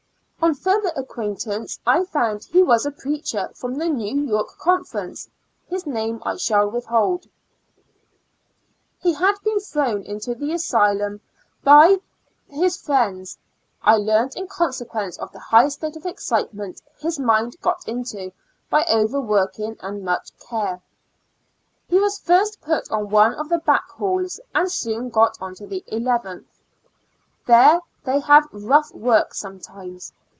On further acquaintance I found he was a preacher from the New York Conference; his name I shallwithhold. 132 ^^^^ Years and Four Months He had been thrown into the asylum by his friends, I learned, in consequence of the high state of excitement his mind got into by over working and much care. He was first put on one of the back halls, and soon got on to the eleventh. There they have rough work sometimes.